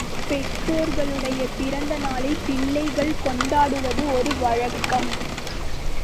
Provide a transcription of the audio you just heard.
பெற்றோர்களுடைய பிறந்த நாளைப் பிள்ளைகள் கொண்டாடுவது ஒரு வழக்கம்.